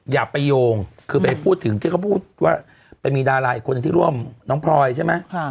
อย่าไปโยงคือไปพูดถึงที่เขาพูดว่าไปมีดาราอีกคนหนึ่งที่ร่วมน้องพลอยใช่ไหม